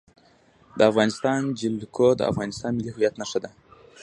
د افغانستان جلکو د افغانستان د ملي هویت نښه ده.